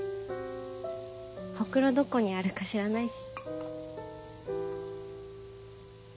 ホクロどこにあるか知らないし。